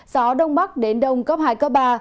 gió đông bắc đến đông cấp hai cấp ba